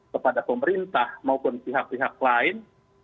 kepada pemerintah maupun pihak pihak lain